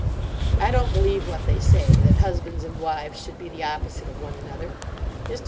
I don't believe what they say: that husbands and wives should be the opposite of one another. Mr.